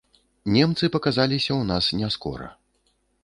Немцы паказаліся ў нас няскора.